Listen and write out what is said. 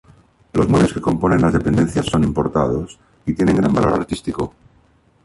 Los muebles que componen las dependencias son importados, y tienen gran valor artístico.